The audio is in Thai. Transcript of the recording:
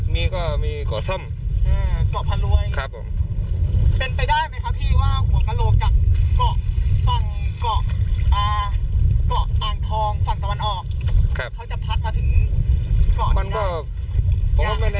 มีก็มีเกาะซ่ำอืมเกาะพระรวยก็เป็นไปได้ไหมครับพี่ว่าหัวกระโลกจากเกาะฝั่ง